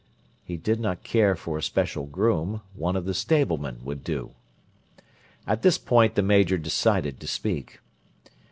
He did not care for a special groom; one of the stablemen would do. At this point the Major decided to speak.